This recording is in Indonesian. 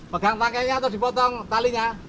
pegang pakenya terus dipotong talinya